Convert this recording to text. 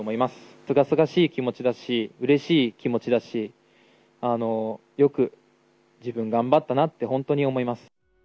すがすがしい気持ちだし、うれしい気持ちだし、よく自分頑張ったなって、本当に思います。